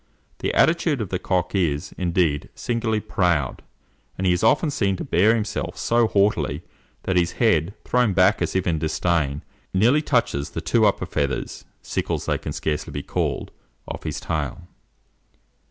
The attitude of the cock is, indeed, singularly proud; and he is often seen to bear himself so haughtily, that his head, thrown back as if in disdain, nearly touches the two upper feathers sickles they can scarcely be called of his tail.